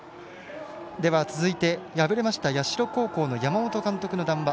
続いて、敗れました社高校の山本監督の談話。